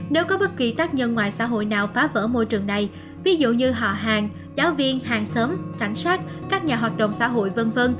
nếu có bất kỳ tác nhân ngoài xã hội nào phá vỡ môi trường này ví dụ như họ hàng giáo viên hàng xóm cảnh sát các nhà hoạt động xã hội v v